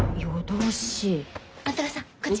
万太郎さんこっち。